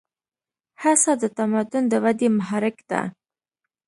هڅه د تمدن د ودې محرک ده.